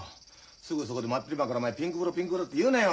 すぐそこで真っ昼間から「ピンク風呂ピンク風呂」って言うなよ